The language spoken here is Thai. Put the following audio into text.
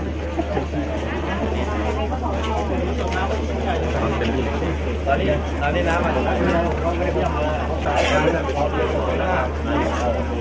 เมืองอัศวินธรรมดาคือสถานที่สุดท้ายของเมืองอัศวินธรรมดา